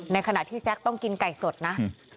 ในขณะที่แซ็กต้องกินไก่สดนะ